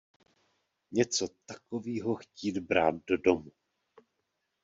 Něco takovýho chtít brát do domu!